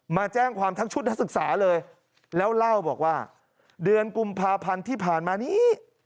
มาแจ้งความทั้งชุดนักศึกษาเลยแล้วเล่าบอกว่าเดือนกุมภาพันธ์ที่ผ่านมานี้